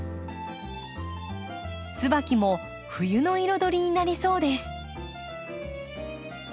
ツバキも冬の彩りになりそうです。